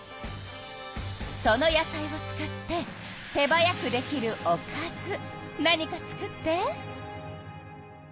その野菜を使って手早くできるおかず何か作って。